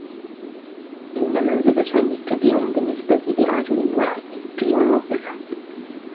إنّ منزل سامي كبير بالنّسبة لرجل واحد كي ينظّفه.